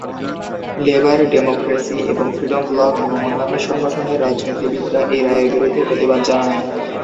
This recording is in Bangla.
লেবার, ডেমোক্রেসি এবং ফ্রিডম ব্লক এবং অন্যান্য সংগঠনের রাজনীতিবিদরা এই রায়ের বিরুদ্ধে প্রতিবাদ জানায়।